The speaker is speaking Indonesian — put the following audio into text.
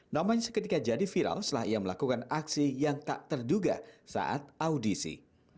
namanya seketika jadi viral setelah ia melakukan aksi yang tak terduga saat audisi